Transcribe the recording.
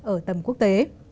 ở tầm quốc tế